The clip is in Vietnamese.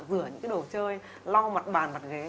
rửa những đồ chơi lo mặt bàn mặt ghế